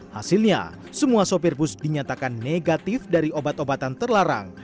hasilnya semua sopir bus dinyatakan negatif dari obat obatan terlarang